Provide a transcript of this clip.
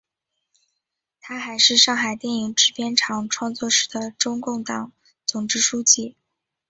她还是上海电影制片厂创作室的中共党总支书记。